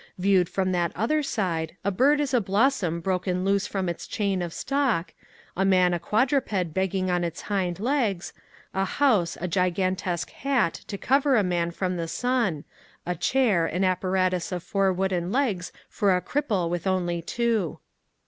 Viewed from that other side, a bird is a blossom broken loose from its chain of stalk, a man a quadruped begging on its hind legs, a house a gigantesque hat to cover a man from the sun, a chair an apparatus of four wooden legs for a cripple with only two.